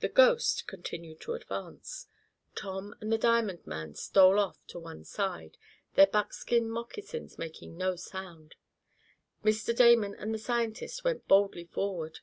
The "ghost" continued to advance. Tom and the diamond man stole off to one side, their buckskin moccasins making no sound. Mr. Damon and the scientist went boldly forward.